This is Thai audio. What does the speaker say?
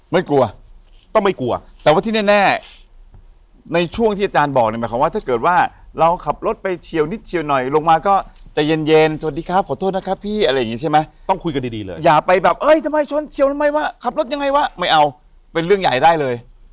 ไม่กลัวต้องไม่กลัวแต่ว่าที่แน่ในช่วงที่อาจารย์บอกเนี่ยหมายความว่าถ้าเกิดว่าเราขับรถไปเฉียวนิดเชียวหน่อยลงมาก็ใจเย็นเย็นสวัสดีครับขอโทษนะครับพี่อะไรอย่างงี้ใช่ไหมต้องคุยกันดีดีเลยอย่าไปแบบเอ้ยทำไมชนเฉียวทำไมวะขับรถยังไงวะไม่เอาเป็นเรื่องใหญ่ได้เลย